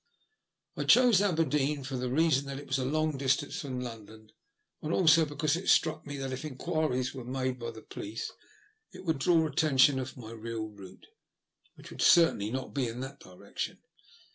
I chose Aberdeen for the reason that it THE LUST OF HATE. 103 was a long dlBtance from London, and also because it struck me that if enquiries were made by the police it would draw attention off my real route, which would certainly not be in that direction.